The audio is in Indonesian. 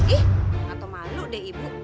ih atau malu deh ibu